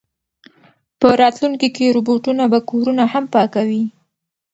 په راتلونکي کې روبوټونه به کورونه هم پاکوي.